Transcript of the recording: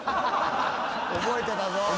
覚えてたぞ。